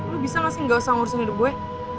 lo bisa gak sih gak usah ngurusin hidup gue